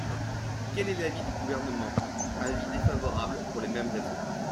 Quel est l’avis du Gouvernement ? Avis défavorable pour les mêmes raisons.